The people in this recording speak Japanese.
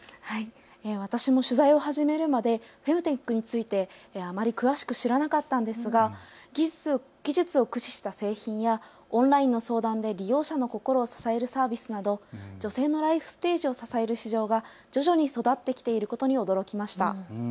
私も取材を始めるまでフェムテックについてあまり詳しく知らなかったのですが技術を駆使した製品やオンラインの相談で利用者の心を支えるサービスなど女性のライフステージを支える市場が徐々に育ってきていることに驚きました。